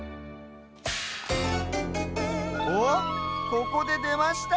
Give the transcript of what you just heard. おっここででました。